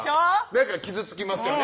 なんか傷つきますよね